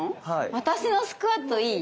私のスクワットいい？